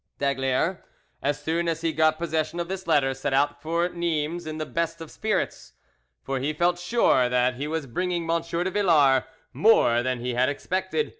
D'Aygaliers, as soon as he got possession of this letter, set out for Nimes in the best of spirits; for he felt sure that he was bringing M. de Villars more than he had expected.